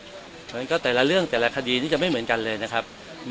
เพราะฉะนั้นก็แต่ละเรื่องแต่ละคดีนี่จะไม่เหมือนกันเลยนะครับ